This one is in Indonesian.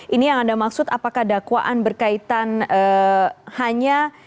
ini yang anda maksud apakah dakwaan berkaitan hanya